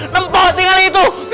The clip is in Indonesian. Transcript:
nempel tinggal itu